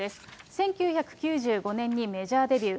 １９９５年にメジャーデビュー。